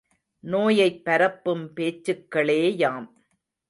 நோயைப் பரப்பும் பேச்சுக்களேயாம்.